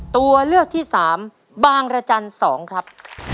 ตัวเลือกที่๓บางระจันทร์๒ครับ